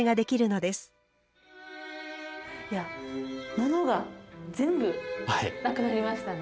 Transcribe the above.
物が全部なくなりましたね。